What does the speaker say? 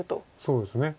そうですね。